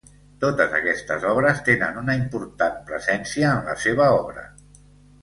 Totes aquestes obres tenen una important presència en la seva obra.